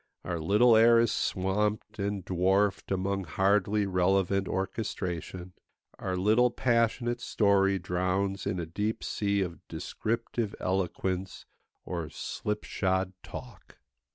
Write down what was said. Our little air is swamped and dwarfed among hardly relevant orchestration; our little passionate story drowns in a deep sea of descriptive eloquence or slipshod talk.